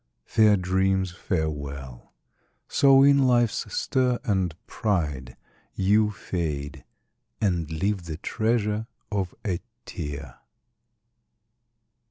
Fair dreams, farewell! So in life's stir and pride You fade, and leave the treasure of a tear!